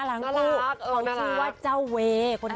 น่ารักคู่เขาชื่อว่าเจ้าเวคนนี้